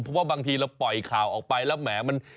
เพราะว่าบางทีเราปล่อยข่าวออกไปแล้วแหมมัน